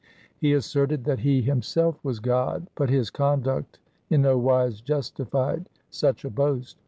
He asserted that he himself was God, but his conduct in no wise justified such a boast.